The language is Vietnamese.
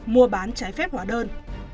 mua bán trái phép hóa đơn